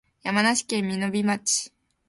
山梨県身延町